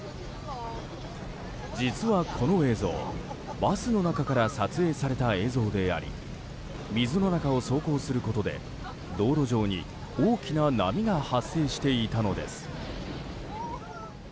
実はこの映像、バスの中から撮影された映像であり水の中を走行することで道路上に大きな波が発生していたのです。